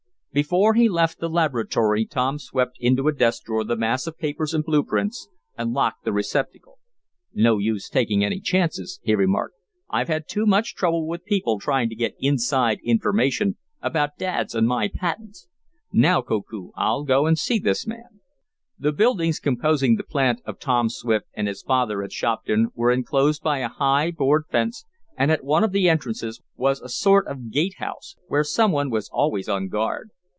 Before he left the laboratory Tom swept into a desk drawer the mass of papers and blue prints, and locked the receptacle. "No use taking any chances," he remarked. "I've had too much trouble with people trying to get inside information about dad's and my patents. Now, Koku, I'll go and see this man." The buildings composing the plant of Tom Swift and his father at Shopton were enclosed by a high, board fence, and at one of the entrances was a sort of gate house, where some one was always on guard.